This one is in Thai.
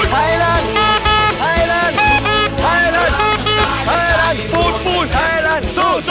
ไทรานปูน